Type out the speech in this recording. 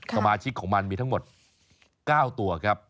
สมาชิกของมันมีทั้งหมด๙ตัวครับ